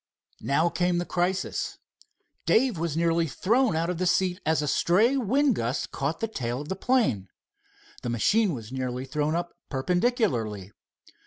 Now came the crisis. Dave was nearly thrown out of the seat as a stray wind gust caught the tail of the plane. The machine was nearly thrown up perpendicularly.